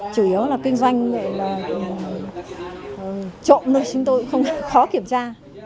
chủ yếu là kinh doanh này là trộm lên chúng tôi không khó kiểm tra